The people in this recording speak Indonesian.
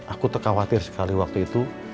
aku terkhawatir sekali waktu itu